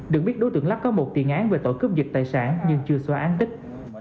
được biết đối tượng lắp có một tiền án về tội cướp dật tài sản nhưng chưa xóa án tích